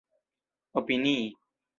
opinii